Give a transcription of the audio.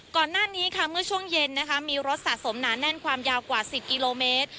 ก่อนหน้านี้ค่ะเมื่อช่วงเย็นนะคะมีรถสะสมหนาแน่นความยาวกว่า๑๐กิโลเมตร